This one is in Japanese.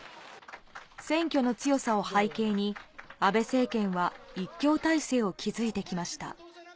選挙の強さを背景に、安倍政権は一強体制を築いてきました。